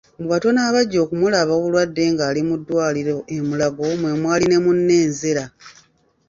Mu batono abajja okumulaba obulwadde ng’ali mu ddwaliro e Mulago mwe mwali ne munne Nzera.